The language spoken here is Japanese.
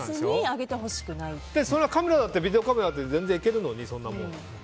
それはビデオカメラだって全然いけるのに、そんなもん。